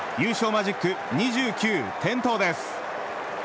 マジック２９点灯です。